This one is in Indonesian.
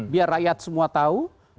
biar rakyat semua tahu